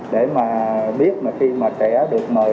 để mà biết khi mà trẻ được mời